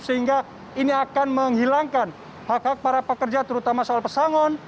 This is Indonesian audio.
sehingga ini akan menghilangkan hak hak para pekerja terutama soal pesangon